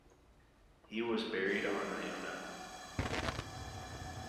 He was buried on Iona.